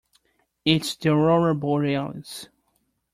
It's the aurora borealis.